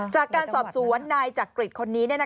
จากการสอบสวนนายจักริตคนนี้